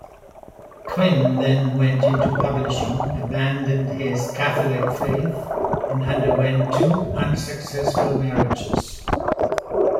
Quinn then went into publishing, abandoned his Catholic faith, and underwent two unsuccessful marriages.